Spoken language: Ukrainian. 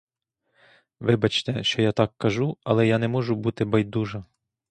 Вибачте, що я так кажу, але я не можу бути байдужа.